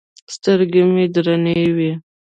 سترګې مې درنې وې.